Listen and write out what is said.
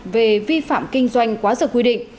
về vi phạm kinh doanh quá rực quy định